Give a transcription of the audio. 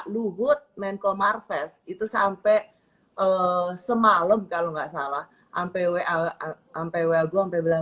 lu good make omar fast itu sampai semalem kalau enggak salah ampere ampere